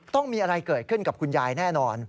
ต้องมีอะไรเกิดขึ้นกับคุณยายแน่นอน